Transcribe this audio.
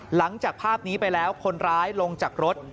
หลังจากภาพนี้ไปแล้วคนร้ายลงจากรถ